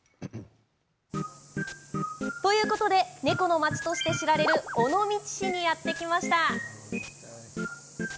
ということで猫の街として知られる尾道市にやって来ました。